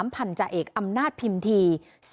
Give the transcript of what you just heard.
พันธาเอกอำนาจพิมพี